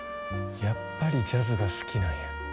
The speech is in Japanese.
やっぱりジャズが好きなんや。